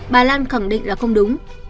bà lan khẳng định là không đúng